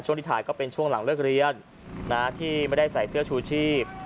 ที่ถ่ายก็เป็นช่วงหลังเลิกเรียนที่ไม่ได้ใส่เสื้อชูชีพ